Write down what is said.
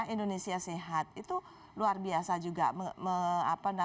indonesia sehat itu luar biasa juga